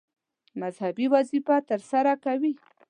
مذهبي وظیفه ترسره کوي.